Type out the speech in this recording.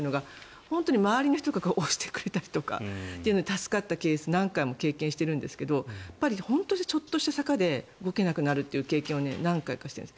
本当に周りの人が押してくれたりして助かったケース何回も経験しているんですが本当にちょっとした坂で動けなくなる経験を何回かしているんです。